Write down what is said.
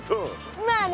まあね。